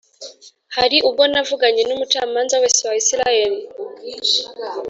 hari ubwo navuganye n’umucamanza wese wa Isirayeli